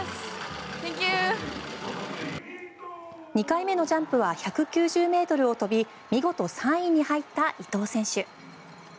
２回目のジャンプは１９０ｍを飛び見事３位に入った伊藤選手。